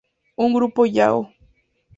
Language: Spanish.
Un grupo Yahoo!